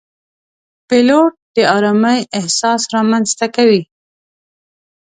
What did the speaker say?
پیلوټ د آرامۍ احساس رامنځته کوي.